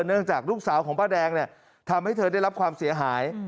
เนื่องจากลูกสาวของป้าแดงเนี่ยทำให้เธอได้รับความเสียหาย